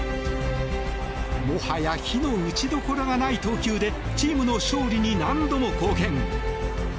もはや非の打ちどころがない投球でチームの勝利に何度も貢献。